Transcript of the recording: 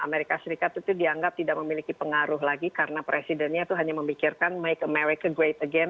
amerika serikat itu dianggap tidak memiliki pengaruh lagi karena presidennya itu hanya memikirkan make america great again